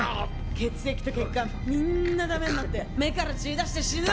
血液と血管、みんなだめになって目から血出して死ぬ。